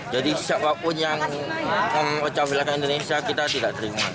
jadi siapapun yang mencapilkan indonesia kita tidak terima